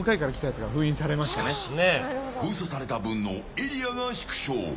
しかし、封鎖された分のエリアが縮小。